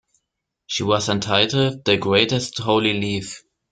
She was entitled "the Greatest holy Leaf".